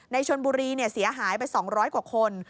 ชนบุรีเสียหายไป๒๐๐กว่าคน